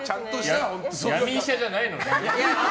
闇医者じゃないの？